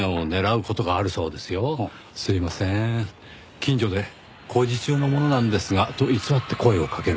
近所で工事中の者なんですが」と偽って声をかける。